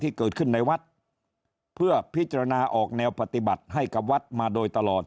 ที่เกิดขึ้นในวัดเพื่อพิจารณาออกแนวปฏิบัติให้กับวัดมาโดยตลอด